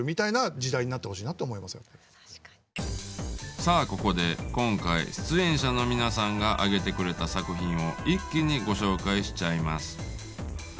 さあここで今回出演者の皆さんが挙げてくれた作品を一気にご紹介しちゃいます。